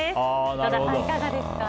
井戸田さん、いかがですか？